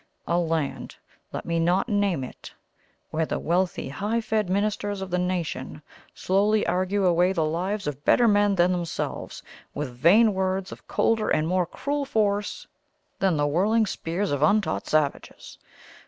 A land let me not name it; where the wealthy, high fed ministers of the nation slowly argue away the lives of better men than themselves, with vain words of colder and more cruel force than the whirling spears of untaught savages!